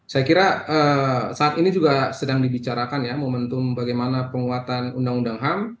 saya kira saat ini juga sedang dibicarakan ya momentum bagaimana penguatan undang undang ham